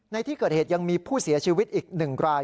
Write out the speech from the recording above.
ในที่เกิดเหตุยังมีผู้เสียชีวิตอีก๑ราย